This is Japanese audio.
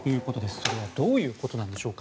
それはどういうことなんでしょうか。